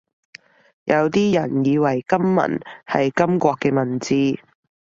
有啲人以為金文係金國嘅文字